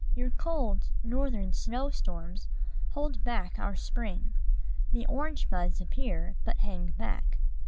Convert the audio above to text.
Your cold Northern snow storms hold back our spring. The orange buds appear, but hang back.